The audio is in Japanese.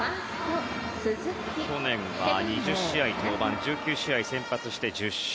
去年は２０試合登板１９試合先発して１０勝。